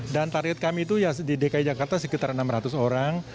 dan target kami itu ya di dki jakarta sekitar enam ratus orang